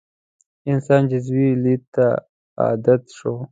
انسان جزوي لید ته عادت شو.